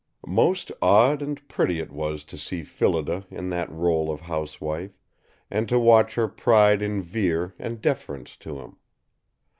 Most odd and pretty it was to see Phillida in that rôle of housewife, and to watch her pride in Vere and deference to him.